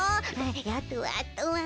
あとはあとは。